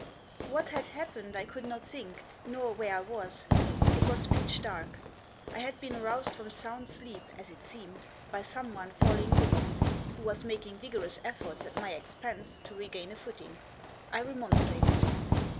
What had happened I could not think, nor where I was. It was pitch dark. I had been roused from sound sleep, as it semed, by someone falling over me, who was making vigorous efforts at my expense to regain a footing. I remonstrated.